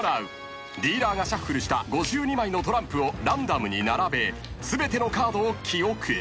［ディーラーがシャッフルした５２枚のトランプをランダムに並べ全てのカードを記憶］